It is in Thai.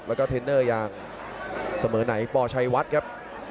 แล้วก็เทรนเนอร์อย่างเสมอไหนปชัยวัดครับ